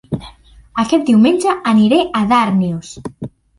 Aquest diumenge aniré a Darnius